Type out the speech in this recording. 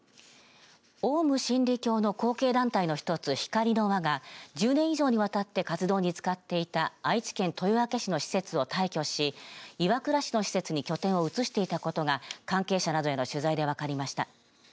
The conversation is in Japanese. オウム真理教の後継団体の一つひかりの輪が１０年以上にわたって活動に使っていた愛知県豊明市の施設を退去し岩倉市の施設に拠点を移していたことが関係者などへの取材で分かりました。